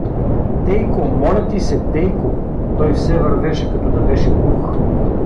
Тейко, моля ти се, тейко… Той все вървеше, като да беше глух.